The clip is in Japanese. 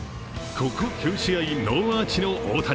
ここ９試合、ノーアーチの大谷。